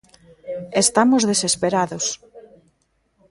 Estamos desesperados.